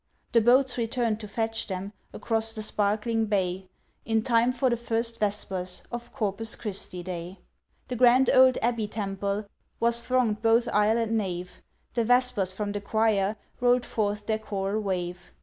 The boats return to fetch them, Across the sparkling bay, In time for the First Vespers Of Corpus Christi Day. The grand old Abbey Temple Was throng'd both aisle and nave, The Vespers from the choir Roll'd forth their choral wave.